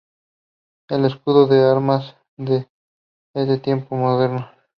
El escudo de armas es de tiempos modernos.